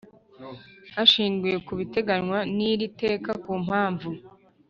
Hashingiwe ku biteganywa n iri teka ku mpamvu